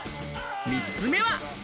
３つ目は。